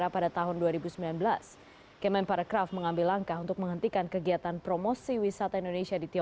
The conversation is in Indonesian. pemerintah juga menghentikan promosi wisata